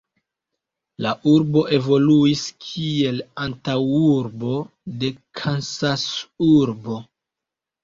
La urbo evoluis kiel antaŭurbo de Kansasurbo.